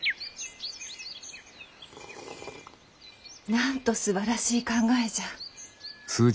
なんとすばらしい考えじゃ。